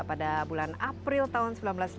pada bulan april tahun seribu sembilan ratus sembilan puluh